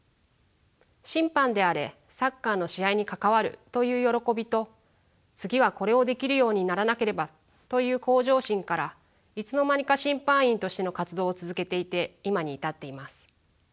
審判であれサッカーの試合に関わるという喜びと次はこれをできるようにならなければという向上心からいつの間にか審判員としての活動を続けていて今に至っています。